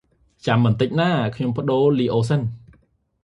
ចាំតិចណា៎ ខ្ញុំផ្ដូរលីអូសិន។